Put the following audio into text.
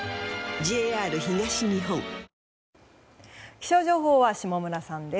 気象情報は下村さんです。